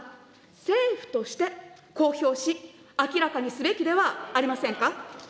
政府として公表し、明らかにすべきではありませんか。